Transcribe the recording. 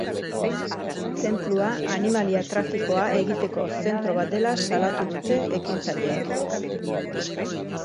Tenplua animalia-trafikoa egiteko zentro bat dela salatu dute ekintzaileek.